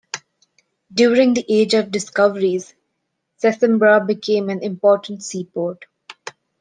During the Age of Discoveries, Sesimbra became an important seaport.